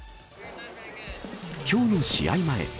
きょうの試合前。